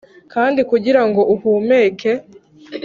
kandi kugirango uhumeke